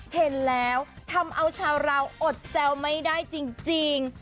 เห็นแล้วทำเอาชาวเราอดแซวไม่ได้จริง